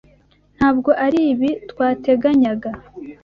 Ntabwo aribi twateganyaga?